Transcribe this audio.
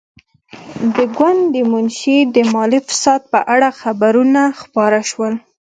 د ګوند د منشي د مالي فساد په اړه خبرونه خپاره شول.